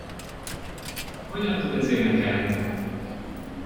Hogyan tud az énekelni!